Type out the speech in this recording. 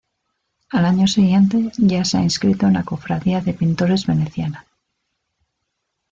Al año siguiente ya se ha inscrito en la cofradía de pintores veneciana.